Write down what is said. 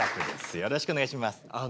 よろしくお願いします。